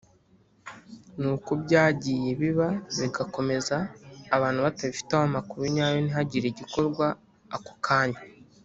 ni uko byagiye biba bigakomeza abantu batabifiteho amakuru nyayo ntihagire igikorwa ako kanya